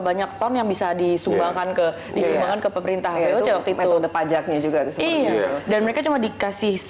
banyak ton yang bisa disumbangkan ke pemerintah itu metode pajaknya juga dan mereka cuma dikasih